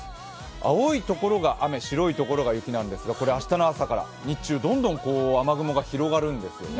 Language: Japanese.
青いところが雨、白いところが雪なんですが明日の朝から日中、どんどん雨雲が広がるんですね。